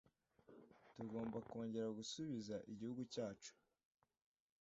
Tugomba kongera gusubiza igihugu cyacu,